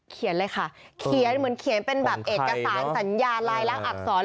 เลยค่ะเขียนเหมือนเขียนเป็นแบบเอกสารสัญญาลายลักษณอักษร